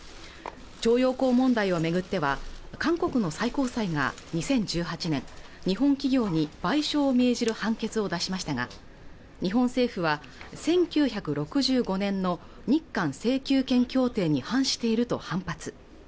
徴用工問題を巡っては韓国の最高裁が２０１８年日本企業に賠償を命じる判決を出しましたが日本政府は１９６５年の日韓請求権協定に反していると反発